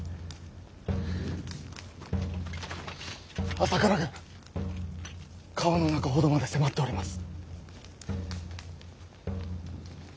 ・朝倉軍川の中ほどまで迫っております。